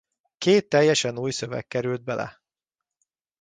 Két teljesen új szöveg került bele.